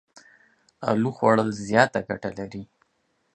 الو خوړ ل زياته ګټه لري.